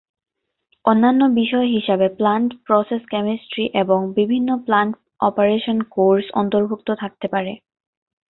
অন্যান্য বিষয় হিসেবে প্লান্ট প্রসেস কেমিস্ট্রি এবং বিভিন্ন প্লান্ট অপারেশন কোর্স অন্তর্ভুক্ত থাকতে পারে।